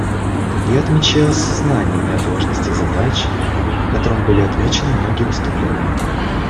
Я отмечаю осознание неотложности задач, которым были отмечены многие выступления.